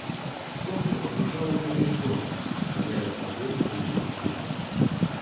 Солнце погружалось за горизонт, оставляя за собой огненный след.